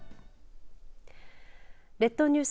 列島ニュース